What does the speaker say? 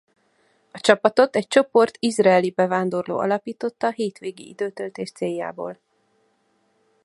A csapatot egy csoport izraeli bevándorló alapította hétvégi időtöltés céljából.